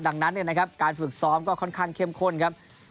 ดังนั้นการฝึกซ้อมก็ค่อนข้างเข้มข้นครับ